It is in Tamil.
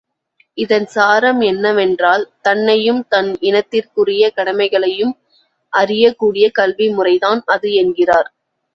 இதன் சாரம் என்னவென்றால், தன்னையும் தன் இனத்திற்குரிய கடமைகளையும் அறியக் கூடிய கல்வி முறைதான் அது என்கிறார்.